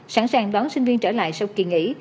sẵn sàng đón sinh viên trở lại sau kỳ nghỉ